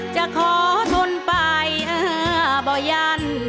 จะขอทนไปบ่ยัน